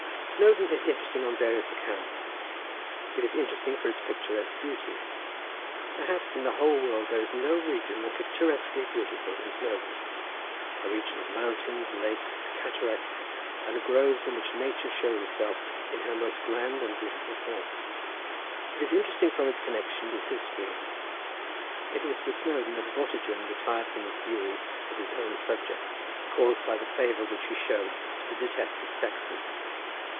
Snowdon is interesting on various accounts. It is interesting for its picturesque beauty. Perhaps in the whole world there is no region more picturesquely beautiful than Snowdon, a region of mountains, lakes, cataracts, and groves, in which Nature shows herself in her most grand and beautiful forms. It is interesting from its connection with history: it was to Snowdon that Vortigern retired from the fury of his own subjects, caused by the favour which he showed to the detested Saxons.